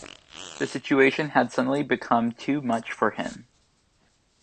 The situation had suddenly become too much for him.